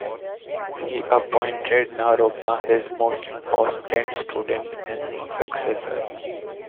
He appointed Naropa, his most important student, as his successor.